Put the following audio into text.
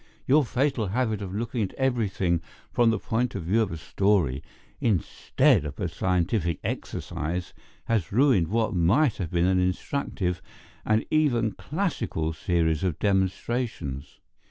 Your fatal habit of looking at everything from the point of view of a story instead of as a scientific exercise has ruined what might have been an instructive and even classical series of demonstrations.